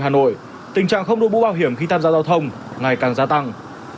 hà nội tình trạng không đội mũ bảo hiểm khi tham gia giao thông ngày càng gia tăng